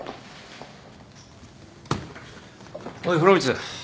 おい風呂光。